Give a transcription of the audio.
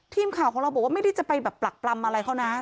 ทีมข่าวของเราบอกว่าไม่ได้จะไปแบบปรักปรำอะไรเขานะ